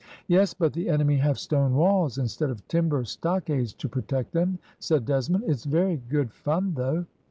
"Yes, but the enemy have stone walls, instead of timber stockades to protect them," said Desmond; "it's very good fun, though."